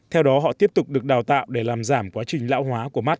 theo đó họ tiếp tục được đào tạo để làm giảm quá trình lão hóa của mắt